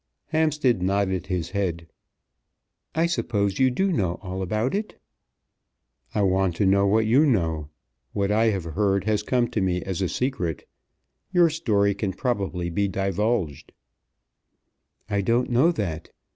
Hampstead nodded his head. "I suppose you do know all about it?" "I want to know what you know. What I have heard has come to me as a secret. Your story can probably be divulged." "I don't know that.